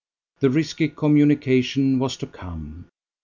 The risky communication was to come.